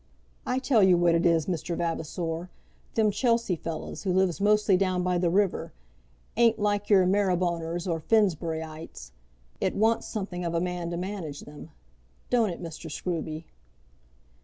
I tell you what it is, Mr. Vavasor, them Chelsea fellows, who lives mostly down by the river, ain't like your Maryboners or Finsburyites. It wants something of a man to manage them. Don't it Mr. Scruby?"